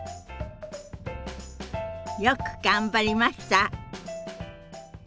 よく頑張りました。